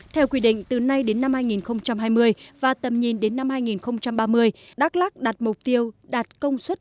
theo quy định từ nay đến năm hai nghìn hai mươi và tầm nhìn đến năm hai nghìn ba mươi đắk lắc đặt mục tiêu đạt công suất